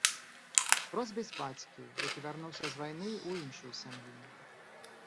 Рос без бацькі, які вярнуўся з вайны ў іншую сям'ю.